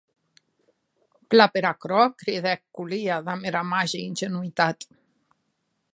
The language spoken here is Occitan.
Plan per aquerò, cridèc Kolia damb era màger ingenuitat.